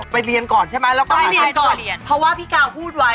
เรียนก่อนใช่ไหมแล้วก็ไปเรียนก่อนเรียนเพราะว่าพี่กาวพูดไว้